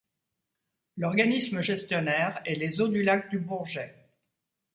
L'organisme gestionnaire est les Eaux du lac du Bourget.